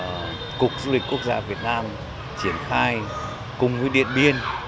điện biên là một địa phương quốc gia việt nam triển khai cùng với điện biên